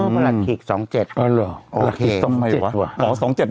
อ๋อประหลักษิต๒๗